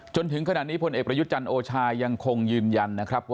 จนถึงขนาดนี้ฝนเอกประยุดจันโอร์ชายังคงยืมยัน